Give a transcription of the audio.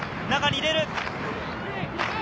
中に入れる。